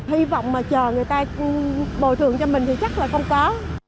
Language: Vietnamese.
hy vọng mà chờ người ta bồi thường cho mình thì chắc là không có